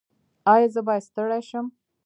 ایا زه باید ستړی شم؟